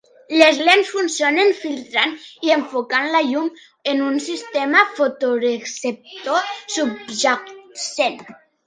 Les lents funcionen filtrant i enfocant la llum en un sistema fotoreceptor subjacent.